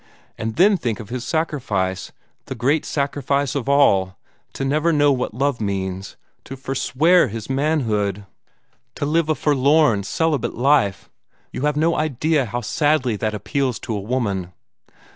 And then think of his sacrifice the great sacrifice of all to never know what love means, to forswear his manhood, to live a forlorn, celibate life you have no idea how sadly that appeals to a woman."